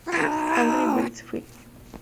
Angry Birds Fight!